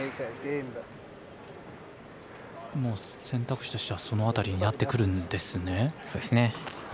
選択肢としてはその辺りになってくるんですね。